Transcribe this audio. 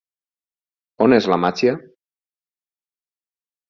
On és la màgia?